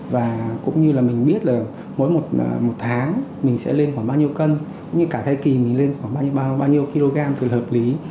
và cũng như mình biết là mỗi một tháng mình sẽ lên khoảng bao nhiêu cân cũng như cả thai kỳ mình lên khoảng bao nhiêu kg thì hợp lý